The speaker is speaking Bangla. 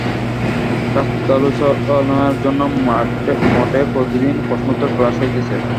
শাস্ত্রালোচনার জন্য মঠে প্রতিদিন প্রশ্নোত্তর-ক্লাস হইতেছে।